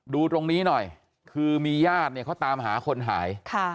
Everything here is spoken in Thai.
ดูตรงนี้หน่อยคือมีญาติเนี่ยเขาตามหาคนหาย